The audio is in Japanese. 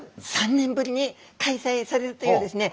３年ぶりに開催されるというですね